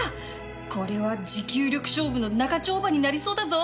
これは持久力勝負の長丁場になりそうだぞ